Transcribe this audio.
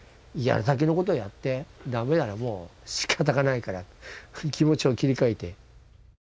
やるだけのことはやって駄目ならもうしかたがないから気持ちを切り替えて。